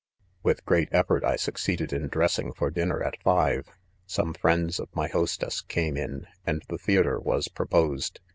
& With great effort, I succeeded in dressing for dinner at five* Some friends of my hos tess came in,, and the theatre was proposed.